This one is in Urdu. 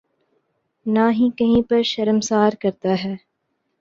نہ ہی کہیں پر شرمسار کرتا ہے۔